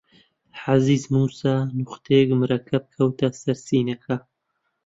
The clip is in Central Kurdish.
عەزیز مووسا نوختەیەک مەرەکەب کەوتە سەر سینەکە